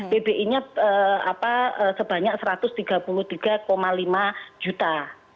pbi nya sebanyak satu ratus tiga puluh tiga lima juta